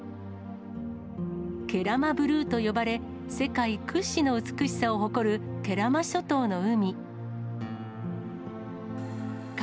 慶良間ブルーと呼ばれ、世界屈指の美しさを誇る慶良間諸島の海。